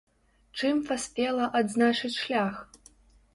Чым паспела адзначыць шлях?